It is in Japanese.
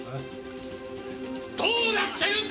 どうなってるんだ！？